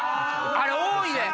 あれ多いねん